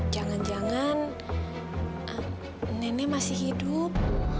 jangan jangan nenek masih hidup